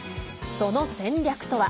その戦略とは。